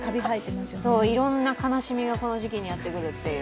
いろんな悲しみがこの時期にやってくるという。